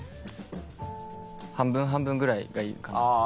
半分半分ぐらいがいいかな。